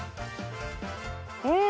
うん！